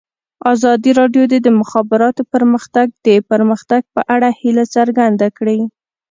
ازادي راډیو د د مخابراتو پرمختګ د پرمختګ په اړه هیله څرګنده کړې.